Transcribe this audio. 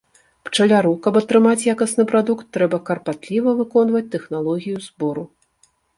Пчаляру, каб атрымаць якасны прадукт, трэба карпатліва выконваць тэхналогію збору.